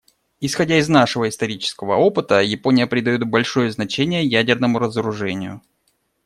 Исходя из нашего исторического опыта, Япония придает большое значение ядерному разоружению.